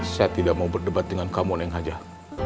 saya tidak mau berdebat dengan kamu neng hajar